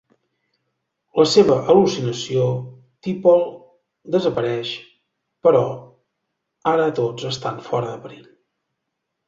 La seva al·lucinació T'Pol desapareix, però ara tots estan fora de perill.